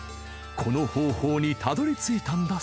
この方法にたどり着いたんだ